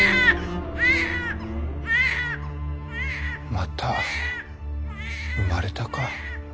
・また産まれたか。